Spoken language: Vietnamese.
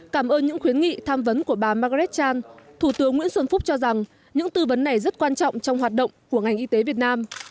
cảm ơn những khuyến nghị tham vấn của bà margaret chan thủ tướng nguyễn xuân phúc cho rằng những tư vấn này rất quan trọng trong hoạt động của ngành y tế việt nam